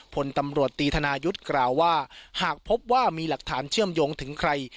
ผลตำรวจตีธนายุทธ์กล่าวว่าหากพบว่ามีหลักฐานเชื่อมโยงถึงใคร